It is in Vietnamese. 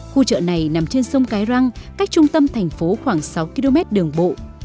khu chợ này nằm trên sông cái răng cách trung tâm thành phố khoảng sáu km đường bộ